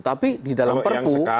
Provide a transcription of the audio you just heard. tapi di dalam perpu